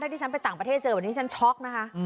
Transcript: ที่ฉันไปต่างประเทศเจอวันนี้ฉันช็อกนะคะ